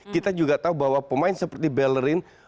kita juga tahu bahwa pemain seperti bellerin